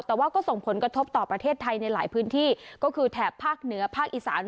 แต่ว่าก็ส่งผลกระทบต่อประเทศไทยในหลายพื้นที่ก็คือแถบภาคเหนือภาคอีสาน